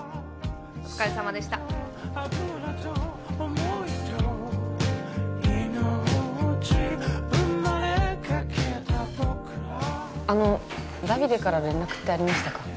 お疲れさまでしたあのダビデから連絡ってありましたか？